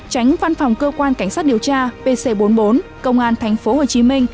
tránh văn phòng cơ quan cảnh sát điều tra pc bốn mươi bốn công an tp hcm